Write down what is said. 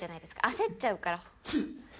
焦っちゃうから。